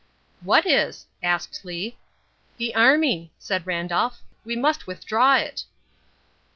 "What is?" asked Lee. "The army," said Randolph. "We must withdraw it."